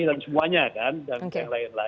dan semuanya kan